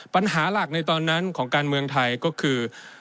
ปัญหาหลักในตอนนั้นของการเมืองไทยก็คือ